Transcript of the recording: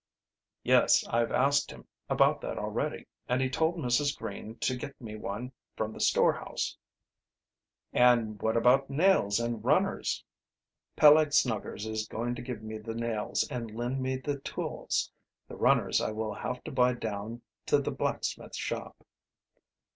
"Yes, I've asked him about that already, and he told Mrs. Green to get me one from the storehouse." "And what about nails and runners?" "Peleg Snuggers is going to give me the nails and lend me the tools. The runners I will have to buy down to the blacksmith shop."